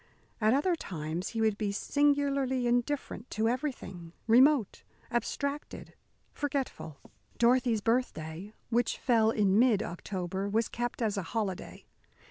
At other times he would be singularly indifferent to everything, remote, abstracted, forgetful. Dorothy's birthday, which fell in mid October, was kept as a holiday.